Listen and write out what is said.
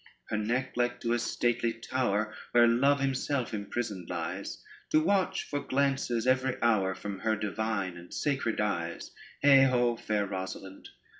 Her neck, like to a stately tower Where love himself imprisoned lies, To watch for glances every hour From her divine and sacred eyes: Heigh ho, fair Rosalynde.